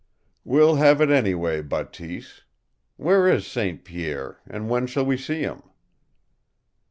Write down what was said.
"We'll have it anyway, Bateese. Where is St. Pierre, and when shall we see him?"